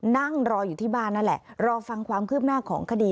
นั่งรออยู่ที่บ้านนั่นแหละรอฟังความคืบหน้าของคดี